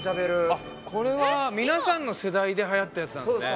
あっこれは皆さんの世代ではやったやつなんですね。